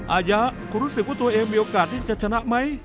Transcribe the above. อายะคุณรู้สึกว่าตัวเองมีโอกาสที่จะชนะไหม